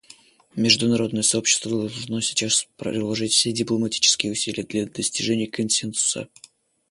Международное сообщество должно сейчас приложить все дипломатические усилия для достижения консенсуса.